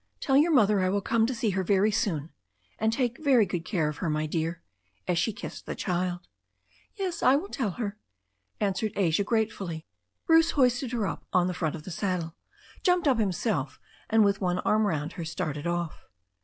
"Tell your mother I will come to see her very soon. And take very good care of her, my dear," as she kissed the child. Yes, I'll tell her," answered Asia gratefully. Bruce hoisted her on to the front of the saddle, jumped up himself, and with one arm round her, started off.